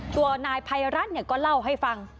ตัวไพรัทรเนี่ยก็เล่าให้ฟัง